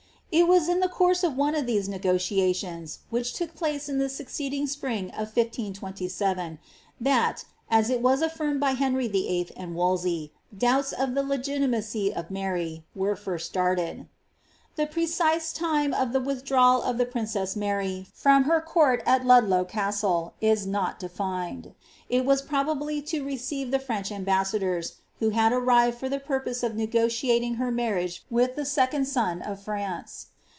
It was in the course of one of ihe?e negotiations, which took place in the succeeding spring of 1527, ihil ' M::!. Oitioii. Caligula. D. ix. p. 206. MABT ill (as it was affirmed by Henry VIII. and Wolsey) doubts of the legiti macy of Mary were first started.' The precise time of the withdrawal of the princess Mary from her conrt at Ludlow Castle, is not defined ; it was probably to receive the French ambassadors, who had arrived for the purpose of negotiating her marriage with the second son of France.